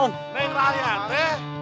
neng raya teh